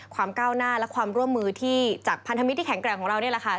ก้าวหน้าและความร่วมมือที่จากพันธมิตรที่แข็งแกร่งของเรานี่แหละค่ะ